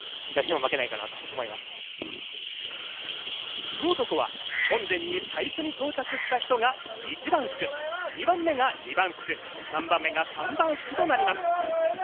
福男は本殿に最初に到着した人が一番福、２番目が二番福、３番目が三番福となります。